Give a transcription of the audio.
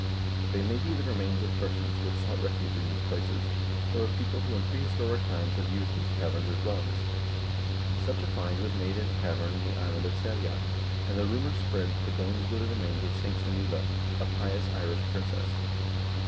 They may be the remains of persons who have sought refuge in these places, or of people who in prehistoric times have used these caverns as dwellings. Such a find was made in a cavern in the island of Selja, and the rumor spread that the bones were the remains of St. Sunniva, a pious Irish princess, who fled to Fig.